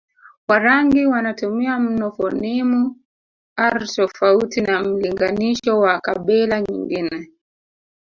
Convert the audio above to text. Warangi wanatumia mno fonimu r tofauti na mlinganisho wa kabila nyingine